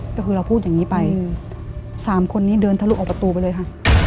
ก็คือเราพูดอย่างนี้ไป๓คนนี้เดินทะลุออกประตูไปเลยค่ะ